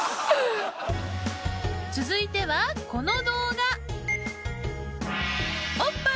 続いてはこの動画。